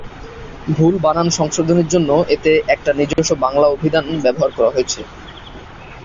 ভুল বানান সংশোধনের জন্য এতে একটি নিজস্ব বাংলা অভিধান ব্যবহার করা হয়েছে।